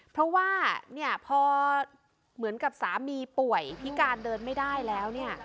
เพราะว่าพอเหมือนกับสามีป่วยพี่กานเดินไม่ได้แล้ว